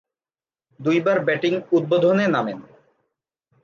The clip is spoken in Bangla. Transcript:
দুইবার ব্যাটিং উদ্বোধনে নামেন।